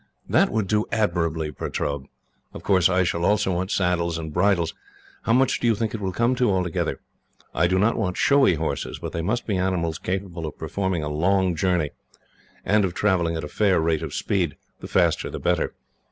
"That would do admirably, Pertaub. Of course, I shall also want saddles and bridles. How much do you think it will come to, altogether? I do not want showy horses, but they must be animals capable of performing a long journey, and of travelling at a fair rate of speed the faster the better.